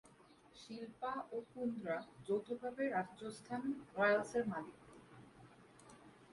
শিল্পা ও কুন্দ্রা যৌথভাবে রাজস্থান রয়্যালসের মালিক।